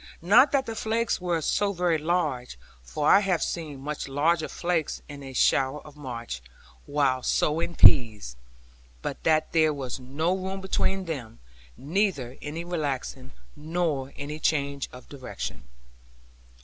Not that the flakes were so very large; for I have seen much larger flakes in a shower of March, while sowing peas; but that there was no room between them, neither any relaxing, nor any change of direction.